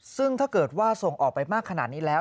ซึ่งถ้าเกิดว่าส่งออกไปมากขนาดนี้แล้ว